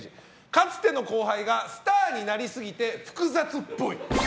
かつての後輩がスターになりすぎて複雑っぽい。